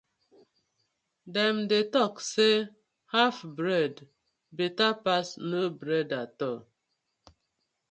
Dem dey tok say haf bread betta pass no bread atol.